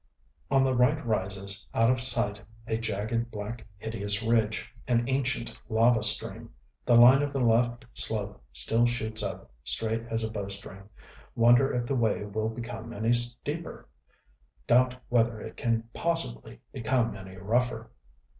On the right rises, out of sight, a jagged black hideous ridge, an ancient lava stream. The line of the left slope still shoots up, straight as a bow string.... Wonder if the way will become any steeper; doubt whether it can possibly become any rougher.